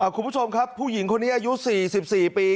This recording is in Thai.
คุณผู้ชมครับผู้หญิงคนนี้อายุ๔๔ปี